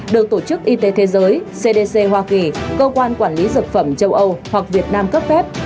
được tổ chức y tế thế giới cdc hoa kỳ cơ quan quản lý dược phẩm châu âu hoặc việt nam cấp phép